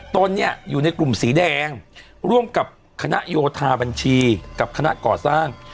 ตนเนี่ยอยู่ในกลุ่มสีแดงร่วมกับคณะโยธาบัญชีกับคณะก่อสร้าง